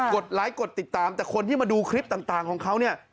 ดไลค์กดติดตามแต่คนที่มาดูคลิปต่างของเขาเนี่ย